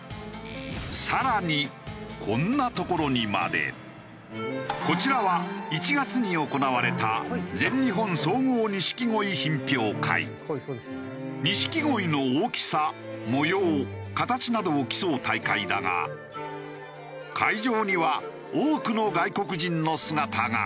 さらにこんな所にまで。こちらは１月に行われた錦鯉の大きさ模様形などを競う大会だが会場には多くの外国人の姿が。